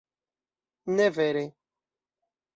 Ne vere.